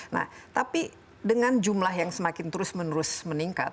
nah tapi dengan jumlah yang semakin terus menerus meningkat